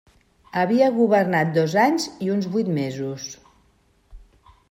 Havia governat dos anys i uns vuit mesos.